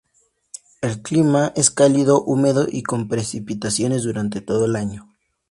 El clima es cálido, húmedo y con precipitaciones durante todo el año.